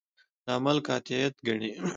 د عمل قاطعیت ګڼي.